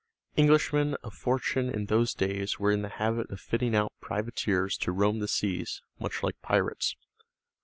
Englishmen of fortune in those days were in the habit of fitting out privateers to roam the seas, much like pirates.